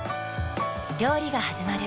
料理がはじまる。